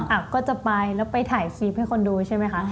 อ่ะก็จะไปแล้วไปถ่ายคลิปให้คนดูใช่ไหมคะ